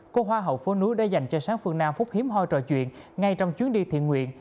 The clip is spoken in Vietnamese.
cô hoa hậu phố núi đã dành cho sáng phương nam phúc hiếm hoi trò chuyện ngay trong chuyến đi thiện nguyện